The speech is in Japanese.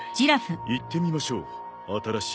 行ってみましょう新しいエリア。